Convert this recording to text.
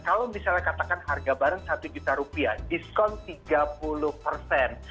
kalau misalnya katakan harga barang satu juta rupiah diskon tiga puluh persen